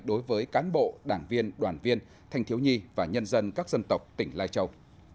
đối với cán bộ đảng viên đoàn viên thanh thiếu nhi và nhân dân các dân tộc tỉnh lai châu